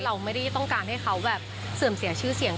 เราไม่ได้ต้องการให้เขาแบบเสื่อมเสียชื่อเสียง